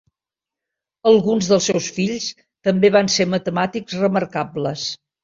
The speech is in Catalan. Alguns dels seus fills també van ser matemàtics remarcables.